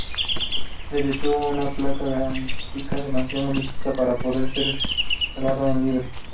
Les detuvo una placa granítica demasiado lisa para poder ser escalada en libre.